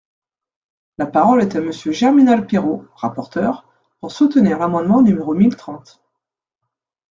La parole est à Monsieur Germinal Peiro, rapporteur, pour soutenir l’amendement numéro mille trente.